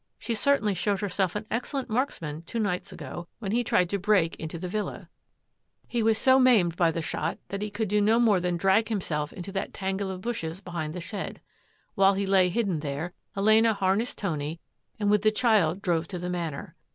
She certainly showed herself an excellent marksman two nights ago when he tried to break into the Villa. He was 840 THAT AFFAIR AT THE MANOR so maimed by the shot that he could do no more than drag himself into that tangle of bushes be hind the shed. While he lay hidden there, Elena harnessed Tony and with the child drove to the Manor.